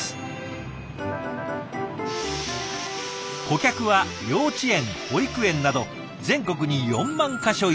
顧客は幼稚園保育園など全国に４万か所以上。